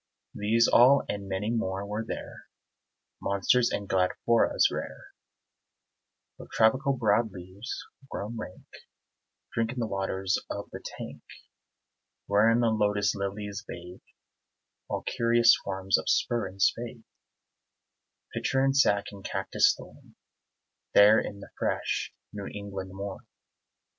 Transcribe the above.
These all and many more were there; Monsters and grandifloras rare, With tropical broad leaves, grown rank, Drinking the waters of the tank Wherein the lotus lilies bathe; All curious forms of spur and spathe, Pitcher and sac and cactus thorn, There in the fresh New England morn.